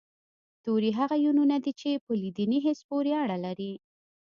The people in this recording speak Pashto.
توري هغه يوونونه دي چې په لیدني حس پورې اړه لري